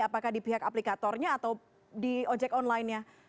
apakah di pihak aplikatornya atau di ojek online nya